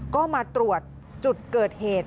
ก็มาตรวจจุดเกิดเหตุ